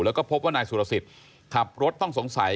แล้วก็พบว่านายสุรสิทธิ์ขับรถต้องสงสัย